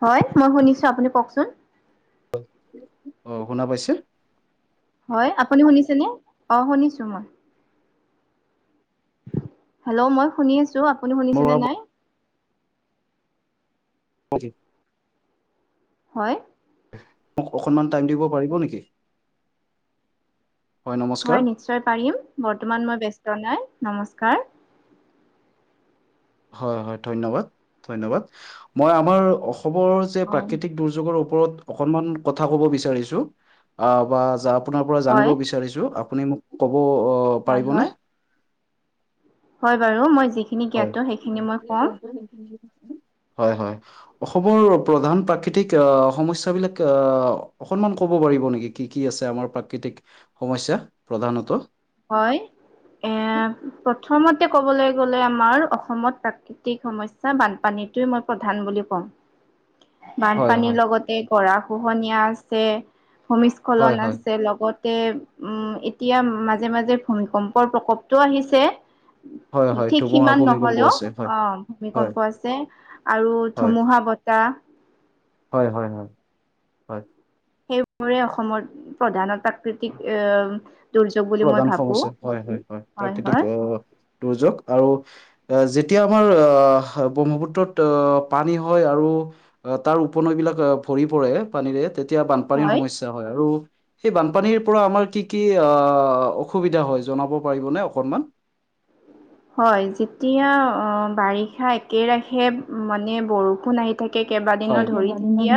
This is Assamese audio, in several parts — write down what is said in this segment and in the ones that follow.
হয়, মই শুনিছোঁ। আপুনি কওঁকচোন অহ' শুনা পাইছে। হয় আপুনি শুনিছেনে অ শুনিছো মই। হেল্ল' মই শুনি আছো আপুনি মোৰ শুনিছেনে নাই। অ' জি হয়। মোক অকনমান টাইম দিব পাৰিব নেকি? হয় নিশ্চয় পাৰিম, বৰ্তমান মই ব্যস্ত নাই, নমস্কাৰ। হয়, হয় ধন্যবাদ, ধন্যবাদ, মই আমাৰ খবৰ যে অ প্ৰাকৃতিক দুৰ্যোগৰ ও ওপৰত অকনমান কথা ক'ব বিচাৰিছোঁ আহ আপোনাৰ পৰা জানিব হয় বিচাৰিছোঁ। আপুনি মোক ক'ব অ' হয় পাৰিবনে? হয় হয় বাৰু মই যিখিনি হয় জ্ঞাতো সেইখিনি মই কম। [inaudible] হয়, হয় অসমৰ প্ৰধান প্ৰাকৃতিক আহ সমস্যাবিলাক আহ অকনমান ক'ব কৰিব নেকি কি কি আছে, আমাৰ প্ৰাকৃতিক সমস্যা প্ৰধানত। হয় এ প্ৰথমতে ক'বলৈ গ'লে আমাৰ অসমত প্ৰাকৃতিক সমস্যা বানপানীটোৱে মই প্ৰধান বুলি কম। হয় বানপানীৰ হয় লগতে গৰাখহনীয়া আছে। হয় ভূমিস্খলন হয় আছে লগতে উম এতিয়া মা। মাজে মাজে ভূমিকম্পৰ প্ৰকোপটো আহিছে। হয়। হয় ঠিক ধুমুহা সিমান ভূমিকম্প নহ'লেও আছে হয় অ' হয় ভূমিকম্প যে আৰু হয়, ধুমুহা বতাহ। হয়, হয়, হয়, হয়। সেইবোৰে অসমৰ প্ৰধানত প্ৰাকৃতিক এ দুৰ্যোগ বুলি মই প্ৰধান ভাবো সমস্যা হয়, হয়, হয় প্ৰাকৃতিক দুৰ্যোগ আৰু যেতিয়া, আমাৰ আহ ব্ৰহ্মপুত্ৰত পানী হয় আৰু তাৰ উপনৈবিলাক বিলাক ভৰি পৰে পানীৰে তেতিয়া বানপানীৰ হয় সমস্যা হয় আৰু সেই বানপানীৰ পৰা আমাৰ কি কি অহ' অহ' অসুবিধা হয় জনাব পাৰিবনে অকণমান। হয়, যেতিয়া অ' বাৰিষা একেৰাখে মানে বৰষুণ কোন আহি থাকে হয়, কেইবাদিনো ধৰি তেতিয়া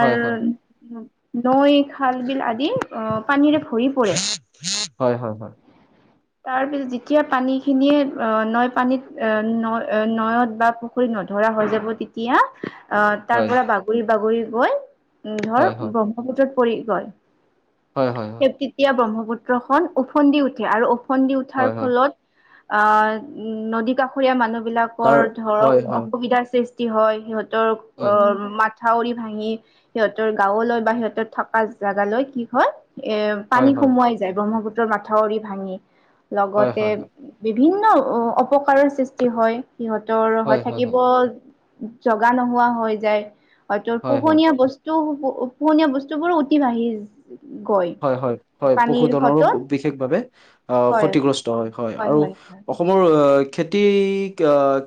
হয়, হয়, হয়, নৈ খাল বিল আদি অ' পানীৰে ভৰি পৰে। হয়, হয়, হয়। তাৰপিছত যেতিয়া পানী খিনিয়ে অ' নৈ পানীত ন নৈয়ত বা পুখুৰীত ন নধৰা হৈ যাব, তেতিয়া। অহ তাৰ হয়, পৰা বাগৰি বাগৰি গৈ উ ধৰ হয়, হয়, ব্ৰহ্মপুত্ৰত পৰি গ'ল হয়, হয়, হয়, সেই তেতিয়া ব্ৰহ্মপুত্ৰখনন ওফন্দি উঠে আৰু ওফন্দি উঠাৰ হয়, হয়, ফলত আহ নদী কাষৰীয়া মানুহ তাৰ বিলাকৰ হয়, ধৰক হয়, অসুবিধাৰ সৃষ্টি হয় সিহঁতৰ হয়, অ মাথাউৰি ভাঙি সিহঁতৰ গাঁৱলৈ বা সিহঁতৰ থকা জেগালৈ কি হয় এ হয়, পানী হয়, সোমোৱাই যায় ব্ৰহ্মপুত্ৰৰ মাথাউৰি ভাঙি হয়, লগতে হয়, হয়, বিভিন্ন অপকাৰৰ সৃষ্টি হয় সিহঁতৰ হৈ হয়, হয়, হয়, থাকিব জগা নোহোৱা হৈ যায় হয়তো হয়, হয়। পোহনীয়া বস্তু পোহনীয়া বস্তু বোৰো উতি ভাঢ়ি হয় হয় হয় পশুধনৰো বিশেষভাৱে অ হয় ক্ষতিগ্ৰস্ত হয় হয় আৰু অসমৰ খেতি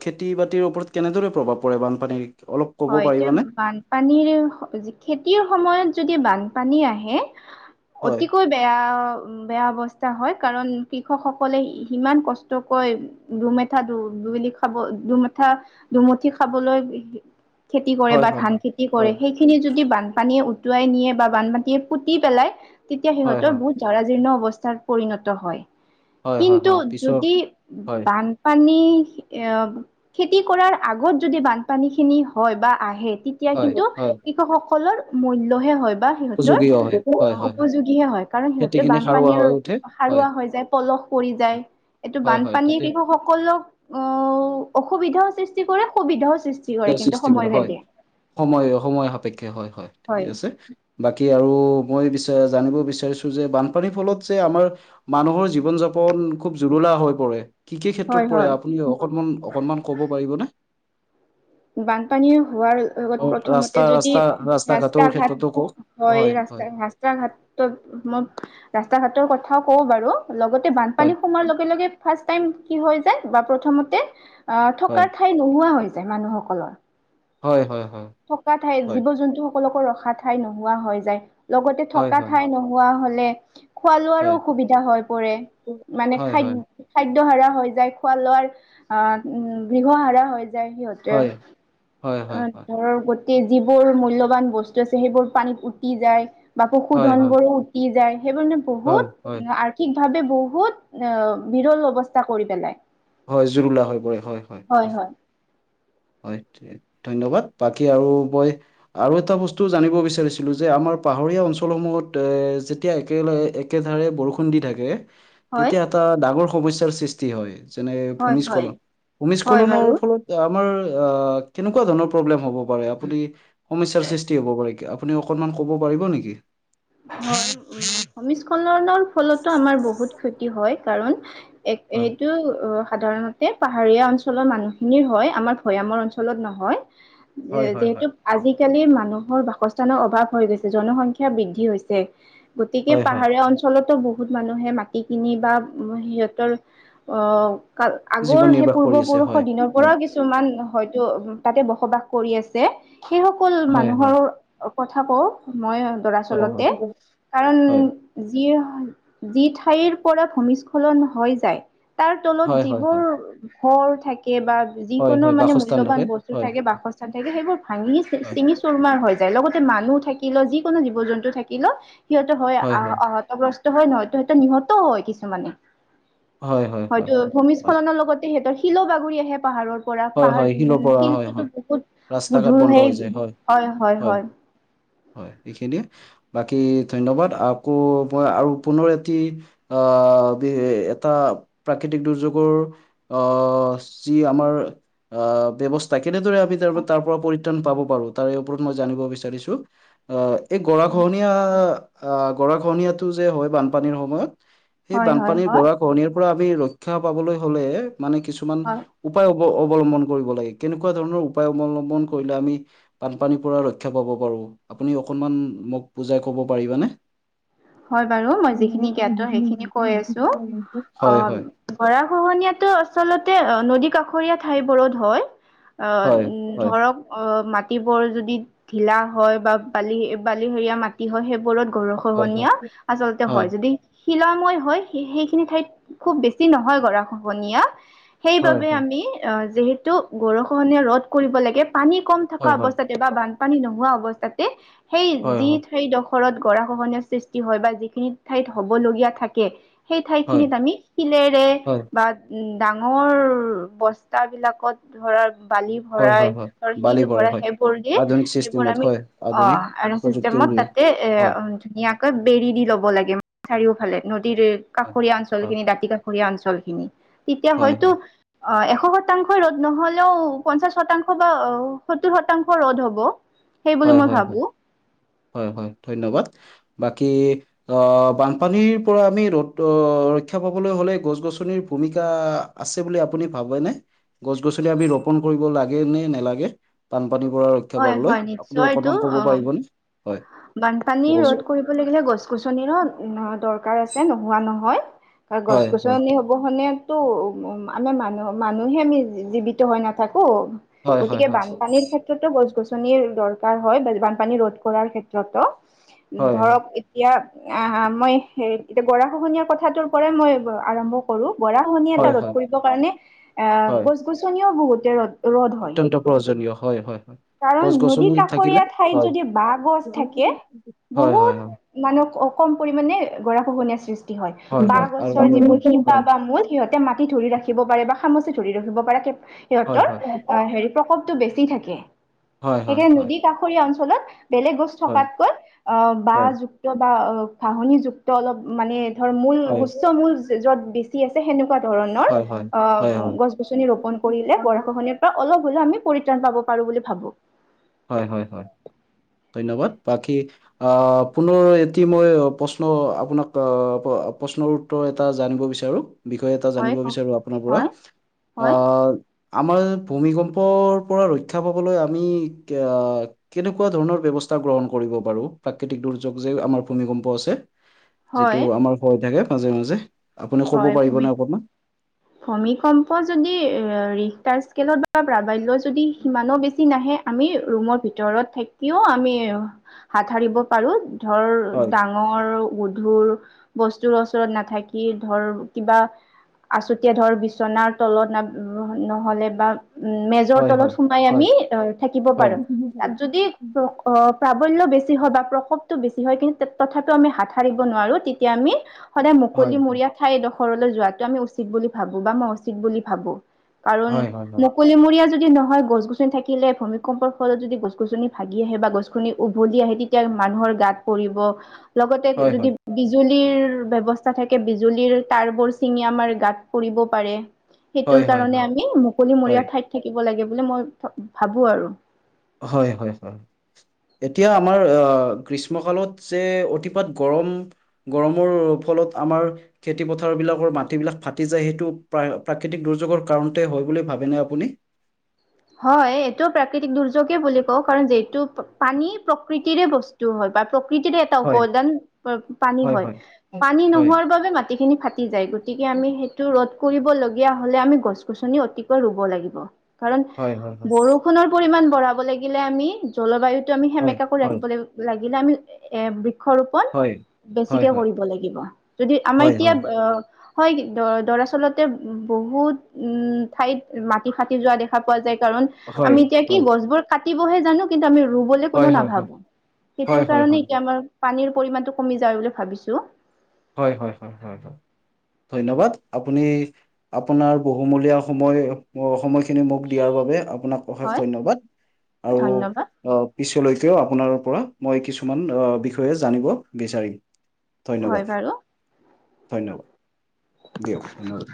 খেতি বাতিৰ ওপৰত কেনেদৰে প্ৰভাৱ পৰে বানপানীৰ অলপ ক'ব হয় এতিয়া পাৰিবানে বানপানীৰ যি খেতিৰ সময়ত যদি বানপানী আহে হয় অতিকৈ বেয়া বেয়া অৱস্থা হয়, কাৰণ কৃষকসকলে সিমান কষ্টকৈ দুমেঠ দু বুলি খাব দুমুঠা দুমুঠি খাবলৈ খেতি কৰে হয় বা হয় ধান হয় খেতি হয় কৰে সেইখিনি যদি বান পানীয়ে উটুৱাই নিয়ে বা বান মাটিয়ে পুতি পেলাই, তেতিয়া হয় সিহঁতৰ হয় বহুত জৰাজীৰ্ণ অৱস্থা পৰিণত হয় হয় হয় কিন্তু হয় পিছৰ যদি হয় বানপান নী খেতি কৰাৰ আগত যদি বানপানী খিনি হয় বা আহে তেতিয়া হয় কিন্তু হয় কৃষকসকলৰ মূল্যহে হয় বা সিহঁতৰ উপযোগী হয় হয় হয় হয় উপযোগীহে হয় কাৰণ সিহতেৰ খেতিখিনি সাৰুৱা বানপানীৰ হৈ উঠে হয় সাৰুৱা হৈ যায় পলস পৰি যায় এইটো হয় হয় বানপানী তেতিয়া কিষক সকলক অ অসুবিধাও সৃষ্টি কৰে সুবিধাও সৃষ্ বিলাক সৃষ্টি কৰা হয় সময় সময় সাপেক্ষে হয় হয় ঠিকে আছে বাকী আৰু মই বিচ জানিব বিচাৰিছোঁ যে বানপানীৰ ফলত যে আমাৰ মানুহৰ জীৱন যাপন। অঁ খুব জৰুলা হৈ পৰে কি কি হয় ক্ষেত্ৰত হয় পৰে আপুনি অকনমান অকনমান ক'ব পাৰিবনে। বানপানী হোৱাৰ লগত অ, প্ৰথমতে ৰাস্তা যদি ৰাস্তা ৰাস্তা ঘাটৰ ঘাট ক্ষেত্ৰতো কওক হয়, ৰাস্তা ৰাস্তা ঘাটত মোৰ ৰাস্তা ঘাটৰ কথাও কওঁ বাৰু লগতে হয় বানপানী সোমোৱাৰ লগে লগে ফাৰ্ষ কি হৈ যায় বা প্ৰথমতে আহ হয় থকাৰ ঠাই নোহোৱা হৈ যায় মানুহসকলৰ হয় হয় হয়। থকা ঠাই জীৱ জন্তু সকলকো ৰখা ঠাই নোহোৱা হৈ যায়। লগতে হয় থকা হয় ঠাই নোহোৱা হলে খোৱা লোৱাৰো হয় অসুবিধা হয় পৰে মানে হয় খাদ হয় খাদ হৰা হৈ যায় খোৱা লোৱাৰ আহ উ গৃহ হৰা হৈ যায়। যায় সিহঁতে হয় হয় হয় অ' হয় গোট যিবোৰ মূল্যবান বস্তু আছে সেইবোৰ পানীত উটি যায়। বা হয় পশুধন হয় বো উটি যায় সেইবোৰ মানে হয় হয় বহুত আৰ্থিক। ভাবে বহুত অঁ বিৰল অৱস্থা কৰি পেলাই। হয় জুৰুলা হৈ পৰে হয় হয় হয়। হয় ধন্যবাদ বাকী আৰু মই আৰু এটা বস্তু জানিব বিচাৰিছিলো যে আমাৰ আমাৰ পাহাৰীয়া অঞ্চলসমূহত যেতিয়া একেলগে একেধাৰে বৰষুণ দি থাকে। হয় তেতিয়া এটা ডাঙৰ সমস্যাৰ সৃষ্টি হয়। যেনে হয় হয় ভূমিস্খলন হয় ভূমিস্খলনৰ বাৰু ফলত আমাৰ অঁ কেনেকুৱা ধৰণৰ প্ৰব্লেম হ'ব। আপুনি আ সমস্যাৰ সৃষ্টি কৰিব পাৰিব! হয় উ ভূমিস্খলনৰ ফলতো আমাৰ বহুত ক্ষতি হয় কাৰণ এক হয় সেইটো অঁ সাধাৰণতে পাহাৰীয়া অঞ্চলৰ মানুহখিনিৰ হয় আমাৰ ভৈয়ামৰ অঞ্চলত নহয় হয় হয় হয় যিহেতু আজিকালি মানুহৰ বাসস্থানৰ অভাৱ হৈ গৈছে জনসংখ্যা বৃদ্ধি কি হৈছে গতিকে হয় হয় পাহাৰীয়া অঞ্চলতো ব বহুত মানুহে মাটি কিনি বা সিহঁতৰ অ' কা আগৰ জীৱন সেই নিৰ্বাহ কৰি আছে পূৰ্বপুৰুষৰ হয় দিনৰ হয় পৰাও কিছুমান হয়তো উ তাতে বসবাস কৰি আছে সেইসকল হয় মানুহৰ হয় কথা কওঁ মই হয় হয় দৰাচলতে কাৰণ হয় যি যি ঠাইৰ পৰা ভূমিস্খলন হৈ যায় তাৰ তলত হয় হয় যিবোৰ হয় সৰ থাক এবাৰ হয় যিকোনো হয় মানে বাসস্থান মূল্যবান থাকে বস্তু হয় থাকে বাসস্থান থাকে সেইবোৰ ভাঙি হয় চিঙি চুৰমাৰ হয়। লগতে মানুহ থাকিলে যিকোনো জীৱ জন্তু থাকিলও সিহঁততে হয় আহ আহত গ্ৰস্ত হয় নহয়টো সৈ নিহত হয় কিছুমানে হয়, হয়, হয়, হয়তো হয়, হয়, ভূমিস্খলনৰ লগতে সিহতৰ শিলো বাগুৰি আহে পাহাৰত পৰা হয়, পাহাৰ হয়, শিলৰ উ পৰা হয়, শিলটোতো হয়, বহুত ৰাস্তা ঘাট গুধুৰ বন্ধ সেই, হৈ যায়, হয় হয় হয়। [inaudible] হয় এইখিনিয়ে বাকী ধন্যবাদ আকৌ মই আৰু পুনৰ এটি আ আহ এটা প্ৰাকৃতিক দুৰ্যোগৰ আহ যি আমাৰ আহ ব্যৱস্থা কেনেদৰে আমি তাৰ তাৰ পৰা পৰি ত্ৰাণ পাব পাৰো তাৰে ওপৰত মই জানিব বিচাৰিছো আহ এই গৰা খহনীয়া আহ গৰা খহনীয়াটো যে হয়। বানপানীৰ সময়ত সেই হয় হয় হয় বানপানীৰ হয় গৰাখহনীয়া পৰা আমি ৰক্ষা পাবলৈ হ'লে মানে কিছুমান হয় উপায় অব অ ৱলম্বন কৰিব লাগে কেনেকুৱা ধৰণৰ উপায় অৱলম্বন কৰিলে আমি বানপানীৰ পৰা ৰক্ষা পাব পাৰো। আপুনি অকণমান মোক বুজাই ক'ব পাৰিবানে? হয় বাৰু মই যিখিনি জ্ঞাত সেইখিনি কৈ আছো। হয় অ' হয় গৰাখহনীয়াটো আচলতে অ' নদী কাষৰী হৰীয়া ঠাইবোৰত হয় হয় আহ উ হয় ধৰক অ মাট টিবোৰ যদি ঢিলা হয় বা বালি বালিহেৰীয়া মাটি হয় সেইবোৰত হয় ঘৰখহনীয়া আচলতে হয় যদি শিলময় হয় সেইখিনি ঠাইত খুব বেছি নহয় গৰাখহনীয়া হয় সেইবাবে হয় আমি অ, যিহেতু গৰষহনীয়া ৰ'দ কৰিব লাগে পানী কম থকা হয় হয় অৱস্থাতে বা বানপানী নোহোৱা অৱস্থাতে সেই হয় যি হয় ঠাই দখ ফলত গৰা-খহনীয় সৃষ্টি হয় বা যিখিনি ঠাইত হবলগীয়া থাকে সেই ঠাই হয় খিনিত আমি শিলেৰে হয় বা উম, ডাঙৰ বস্তা বিলাকত ধৰা বালি হয় ভৰাই হয় হয় বালি শিল পৰে ভৰা হয় সেইবোৰ দি আধুনিক সেইবোৰ চিষ্টেমত আমি হয় অ, আধুনিক এটা চিষ্টেম প্ৰযুক্তিৰ মত তাতে এ হয় উম, ধুনীয়া কয়, বেৰি দি ল'ব লাগে, চাৰিওফালে নদীৰ হয় কাষৰীয়া অঞ্চল হয় খিনি দাঁতি কাষৰীয়া অঞ্চল। উম, তেতিয়া হয় হয় হয়তো অ, এশ শতাংশই ৰ'দ নহ'লেও পঞ্চাশ শতাংশ বা অ, সত্তৰ শতাংশ ৰ'দ হ'ব সেই বুলি মই ভাবো হয়-হয়-হয়-হয়-হয় ধন্যবাদ। বাকী আহ বানপানীৰ পৰা আমি ৰ'দ ৰক্ষা পাবলৈ হ'লে গছ-গছনিৰ ভূমিকা আছে বুলি আপুনি ভাবেনে গছ-গছনি আমি ৰোপন কৰিব লাগে নে নালাগে বানপানী পৰা ৰক্ষা হয় হয় আপুনি নিশ্চয় এইটো অকনমান ক'ব অ পাৰিবনে? হয় বানপানী ৰ'দ ক'বচোন কৰিব লাগিলে গছ-গছনিৰো দৰকাৰ আছে নোহোৱা নহয়। কাৰ হয় গছ- হয় গছনি হব হনেতো উম আমি মানুহ মানুহে আমি জীৱিত হৈ নাথাক কো হয় হয় গতিকে হয় বানপানীৰ ক্ষেত্ৰতো গছ-গছনিৰ দৰকাৰ হয় বা বানপানী ৰোধ কৰাৰ ক্ষেত্ৰ ত্ৰতো হয় হয় ধৰক এতিয়া আহ, মই এতিয়া গৰা খহনীয়াৰ কথাটোৰ পৰাই মই আৰম্ভ কৰোঁ। গৰাখহনীয়া এটা হয় ৰ'দ হয় কৰিব কাৰণে এ হয় গছ- গছনিও বহুতে ৰ'দ ৰ'দ হয় অত্যন্ত প্ৰয়োজনীয় হয় হয় হয় কাৰণ গছ নদী গছনি থাকিলে কাষৰীয়া ঠাইত হয় যদি বাঁহ গছ থাকে হয় হয় বহুত হয় মানুহ অ, কম পৰিমানে গৰা খহনীয়া সৃষ্ট ষ্টি হয় বাঁহ হয় আৰু গছৰ হয় যিবোৰ শিপা হয় বা মূল সিহত এতিয়া মাটি ধৰি ৰাখিব পাৰে বা খামুচি ধৰি ৰাখিব পাৰে হয় সিহঁতৰ হয় আহ হয় হেৰি প্ৰকক টো বেছি থাকে হয় সেইকাৰণে হয় নদী কাষৰীয়া অঞ্চলত বেলেগ গছ থকাতকৈ অ' বাঁহ হয় যুক্ত বা ঘাহনি যুক্ত অলপ মানে ধৰ মূল হয় হয় গুচ্চ মূল য'ত বেছি আছে সেনেকুৱা ধৰণৰ হয়, হয়, হয়, অ' হয়। গছ গছনি ৰোপন কৰিলে গৰাখহনীয়া পৰা অলপ হ'লেও আমি পৰিত্ৰাণ পাব পাৰোঁ বুলি ভাবোঁ। হয়, হয়, হয়। ধন্যবাদ, বাকী আহ পুনৰ এটি মই প্ৰশ্ন আপোনাক প্ৰশ্নৰ উত্তৰ এটা জানিব বিচাৰোঁ? বিষয়ে এটা জানিব হয় ক বিচাৰোঁ আপোনাৰ পৰা হয় হয় আহ আমাৰ ভূমিকম্পৰ পৰা ৰক্ষা পাবলৈ আমি কে কেনেকুৱা ধৰণৰ ব্যৱস্থা গ্ৰহণ কৰিব পাৰোঁ। প্ৰাকৃতিক দুৰ্যোগ যে আমাৰ ভূমিকম্প আছে। যিটো, হয় আমাৰ হৈ থাকে মাজে মাজে আপুনি ক'ব হয়, ভূমি পাৰিবনে অকণমান? ভূমিকম্প যদি ৰি্টাৰ স্কেলত বা প্ৰাবাল্য যদি সিমানো বেছি নাহে, আমি ৰুমৰ ভিতৰত থাকি টোৰ আমি হাত সাৰিব পাৰোঁ। ধৰ হয়, ডাঙৰ, গধুৰ বস্তুৰ ওচৰত নাথাকি। ধৰ কিবা আছুতীয়া ধৰ বিচনাৰ তলত ন নহ'লে বা উম, মেজৰ হয়, তলত হয়, সোমাই হয়, আমি আহ থাকিব হয়। হয়, পাৰোঁ তাত যদি পা প্ৰাবল্য বেছি হয় বা প্ৰসোপটো বেছি হয়, কিন্তু তথাপিও আমি হাতত সাৰিব নোৱাৰোঁ, তেতিয়া আমি সদায় হয়, মুকলি মৰিয়া ঠাই এডোখৰলৈ যোৱাটো আমি উচিত বুলি ভাবোঁ বা মই উচিত বুলি ভাবোঁ। কাৰণ হয়, হয়, হয়। মুকলি মৰিয়া যদি নহয় গছ গছনি থাকিলে ভূমিকম্পৰ ফলত যদি গছ গছনি ভাগি আহে বা গছনি উভলি আহে, তেতিয়া মানুহৰ গাত পৰিব, লগতে হয় যদি হয় বিজুলীৰ ব্যৱস্থা থাকে। বিজুলিৰ তাৰবোৰ ছিঙি আমাৰ গাত পৰিব পাৰে। হয় সেইটোৰ হয় কাৰণে আমি মুকলি হয় মৰিয়া ঠাইত থাকিব লাগে বুলি মই ভাবোঁ আৰু হয়, হয়, হয়। এতিয়া আমাৰ আহ গ্ৰীষ্মকালত যে অতিপাত গৰম গৰমৰ ফলত আমাৰ খেতি পথাৰ বিলাকৰ মাটি বিলাক ফাটি যায়। সেইটো প্ৰাকৃতিক দুৰ্যোগৰ কাৰণতে হয় বুলি ভাবেনে আপুনি। হয়, এইটোও প্ৰাকৃতিক দুৰ্যোগে বুলি কওঁ, কাৰণ যিটো পানী প্ৰকৃতিৰে বস্তু হয়। বা প্ৰকৃতিৰে এটা হয় উপাদান পানী হয়, পানী হয় নোহোৱাৰ বাবে মাটিখিনি ফাটি যায়। গতিকে, আমি সেইটো ৰধ কৰিবলগীয়া হ'লে আমি গছ গছনি অতিকৈ ৰুব লাগিব। কাৰণ হয় হয় বৰষুণৰ পৰিমাণ বঢ়াব লাগিলে, আমি জলবায়ুতটো আমি হয় সেমেকা কৰি হয় হয় ৰাখিব লাগিব। লাগিলে আমি এ বৃক্ষ ৰোপন হয় হয় বেছিকে কৰিব লাগিব যদি আমি হয় এতিয়া হয় আহ হয় দে দৰাচলতে বহুত উম, ঠাইত মাটি ফাটি যোৱা দেখা পোৱা যায়। কাৰণ হয় আমি এতিয়া কি গছবোৰ কাটিবহে জানোঁ। কিন্তু আমি ৰু ৰুবলৈ হয় হয় কোনো হয় হয় হয় নাভাবোঁ। হয় সেইটোৰ হয় কাৰণে হয় এতিয়া আমাৰ পানীৰ পৰিমণটো কমি যায় বুলি ভাবিছোঁ। হয়, হয়, হয়, হয়, হয়। ধন্যবাদ। আপুনি আপোনাৰ বহুমূলীয়া সময় সময়খিনি মোক দিয়াৰ বাবে আ আপোনাক অশেষ হয় ধন্যবাদ আৰু ধন্যবাদ আহ পিছলৈ তেওঁ আপোনাৰ ওপৰত মই কিছুমান বিষয়ে জানিব বিচাৰিম হয় ধন্যবাদ বাৰু। ধন্যবাদ। দিয়ক ধন্যবাদ।